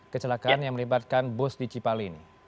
kecelakaan yang melibatkan bus di cipalin